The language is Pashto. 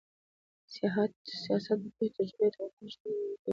سیاست د پوهې، تجربې او د وطن د رښتینې مینې یو ترکیب دی.